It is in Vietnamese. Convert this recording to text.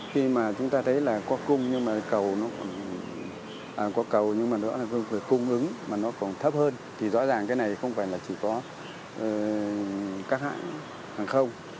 khi mà chúng ta thấy là có cung nhưng mà cầu nó còn thấp hơn thì rõ ràng cái này không phải là chỉ có các hãng hàng không